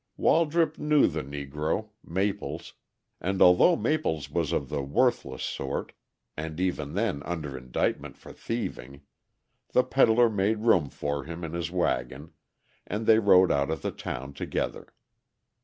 Waldrop knew the Negro, Maples, and, although Maples was of the worthless sort, and even then under indictment for thieving, the peddler made room for him in his waggon, and they rode out of the town together.